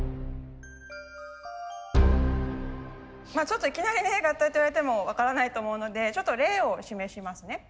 ちょっといきなりね合体といわれても分からないと思うのでちょっと例を示しますね。